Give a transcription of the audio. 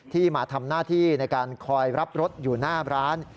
มาทำหน้าที่ในการคอยรับรถอยู่หน้าร้าน